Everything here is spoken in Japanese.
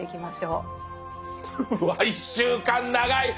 うわ１週間長い！